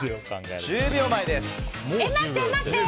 １０秒前です。